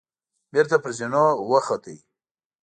بېرته پر زينو وخوت.